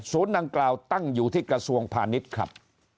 ดังกล่าวตั้งอยู่ที่กระทรวงพาณิชย์ครับ